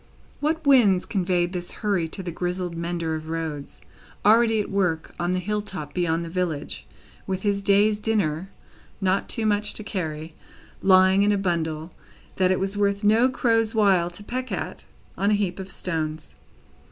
What winds conveyed this hurry to the grizzled mender of roads, already at work on the hill top beyond the village, with his day's dinner (not much to carry) lying in a bundle that it was worth no crow's while to peck at, on a heap of stones?